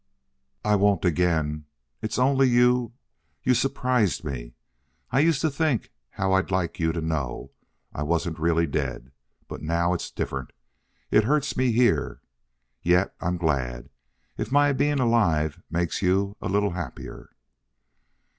"I won't again. It's only you you surprised me so. I used to think how I'd like you to know I wasn't really dead. But now it's different. It hurts me here. Yet I'm glad if my being alive makes you a little happier."